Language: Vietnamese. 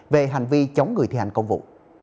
về hành vi chống người thi hành công vụ